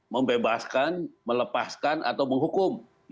membebaskan melepaskan atau menghukum